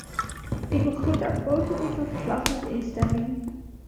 Ik begroet haar positieve verslag met instemming.